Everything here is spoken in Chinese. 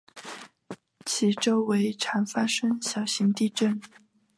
其周围常发生小型地震。